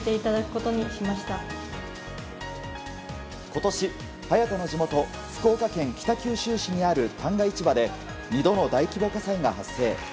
今年、早田の地元福岡県北九州市にある旦過市場で２度の大規模火災が発生。